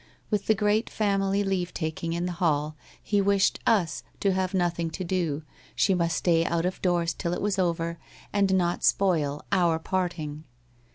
With the great family leavetaking in the hall he wished ' Us ' to have nothing to do, she must stay out of doors till it was over and not spoil ' Our parting.'